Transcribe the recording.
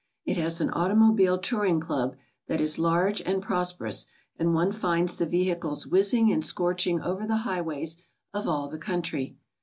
It has an Automobile Touring Club that is large and prosperous, and one finds the vehicles whizzing and scorching over the high ways of all the country.